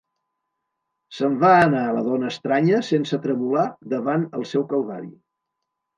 Se'n va anar, la dona estranya, sense tremolar davant el seu calvari.